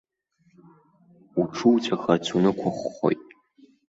Уҽуҵәахырц унықәыхәхәоит.